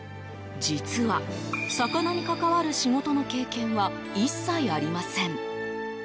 実は、魚に関わる仕事の経験は一切ありません。